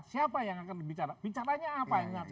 siapa yang akan bicara bicaranya apa